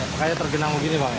makanya tergenang begini banget